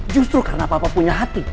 justru karena papa punya hati